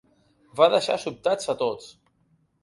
Va deixar sobtats a tots.